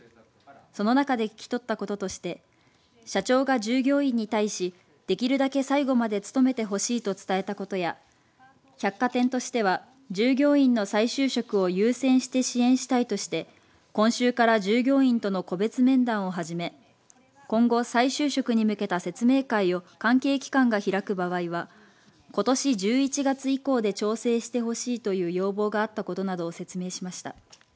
その中で聞き取ったこととして社長が従業員に対しできるだけ最後まで勤めてほしいと伝えたことや百貨店としては従業員の再就職を優先して支援したいとして今週から従業員との個別面談を始め今後再就職に向けた説明会を関係機関が開く場合はことし１１月以降で調整してほしいという要望があったことなどを説明しました。